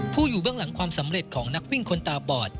อยู่เบื้องหลังความสำเร็จของนักวิ่งคนตาบอด